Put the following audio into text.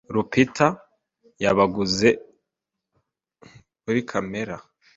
Rupita yabaguze buri kamera.